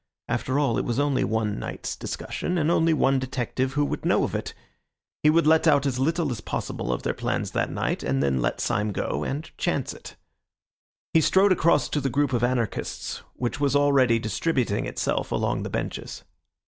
After all, it was only one night's discussion, and only one detective who would know of it. He would let out as little as possible of their plans that night, and then let Syme go, and chance it. He strode across to the group of anarchists, which was already distributing itself along the benches.